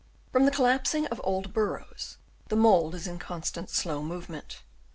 From the collapsing of the old burrows the mould is in constant though slow movement, Chap.